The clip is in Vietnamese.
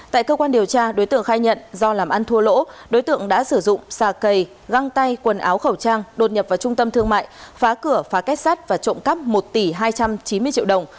tại cơ quan điều tra đối tượng khai nhận do làm ăn thua lỗ đối tượng đã sử dụng xà cầy găng tay quần áo khẩu trang đột nhập vào trung tâm thương mại phá cửa phá kết sát và trộm cắp một tỷ hai trăm chín mươi triệu đồng